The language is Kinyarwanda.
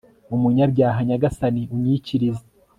umunyabyaha nyagasani unyikirize